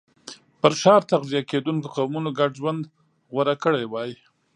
پر ښکار تغذیه کېدونکو قومونو ګډ ژوند غوره کړی وای.